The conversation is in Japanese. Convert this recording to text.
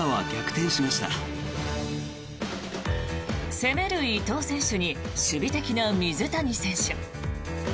攻める伊藤選手に守備的な水谷選手。